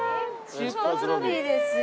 出発ロビーですよ。